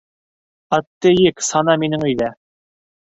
Атты ек, сана минең өйҙә.